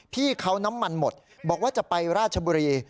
พี่เขาน้ำมันหมดบอกว่าจะไปราชบุรี